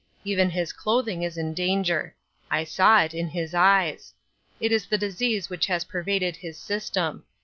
Even his clothing is in danger. I saw it in his eyes. It is the disease which has pervaded his system.